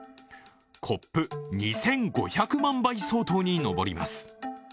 コップ２５００万杯相当に上ります。